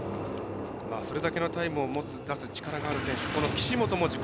それだけのタイムを出す力がある選手岸本も自己